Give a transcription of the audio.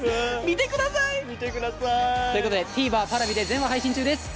見てくださーいということでＴＶｅｒ＆Ｐａｒａｖｉで全話配信中です